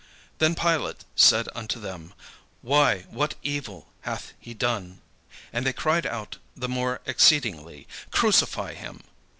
Then Pilate said unto them, "Why, what evil hath he done?" And they cried out the more exceedingly, "Crucify him."